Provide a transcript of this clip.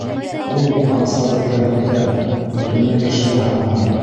Ул бит Ансарҙы кәмһетә, бөтөнләй кешегә һанамай...